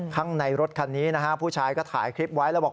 ข้างในรถคันนี้นะฮะผู้ชายก็ถ่ายคลิปไว้แล้วบอก